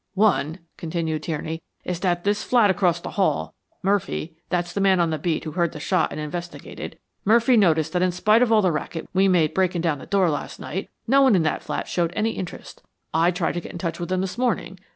"One," continued Tierney, "is this flat across the hall. Murphy that's the man on the beat who heard the shot and investigated Murphy noticed that in spite of all the racket we made breaking down the door last night, no one in that flat showed any interest. I tried to get in touch with them this morning.